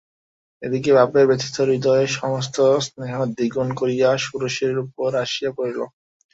এদিকে বাপের ব্যথিত হৃদয়ের সমস্ত স্নেহ দ্বিগুণ করিয়া ষোড়শীর উপর আসিয়া পড়িল।